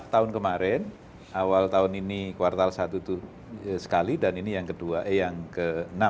tahun kemarin awal tahun ini kuartal satu itu sekali dan ini yang ke enam